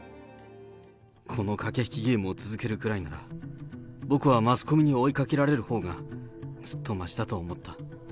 この駆け引きゲームを続けるくらいなら、僕はマスコミに追いかけられるほうがずっとましだと思った。